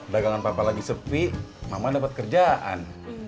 dagangan papa lagi sepi mama dapat kerjaan